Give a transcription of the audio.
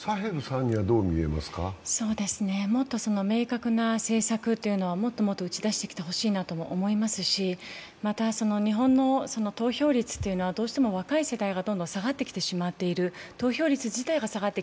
もっと明確な政策というのはもっともっと打ち出してきてほしいなと思いますしまた、日本の投票率というのはどうしても若い世代がどんどん下がってしまっている。